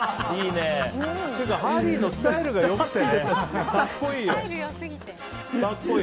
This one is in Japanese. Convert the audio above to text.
っていうかハリーのスタイルが良くて、格好いいよ。